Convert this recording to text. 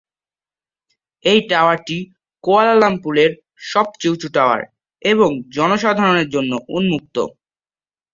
এই টাওয়ারটি কুয়ালালামপুরের সবচেয়ে উঁচু টাওয়ার এবং জনসাধারণের জন্য উন্মুক্ত।